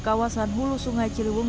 kawasan hulu sungai ciliwung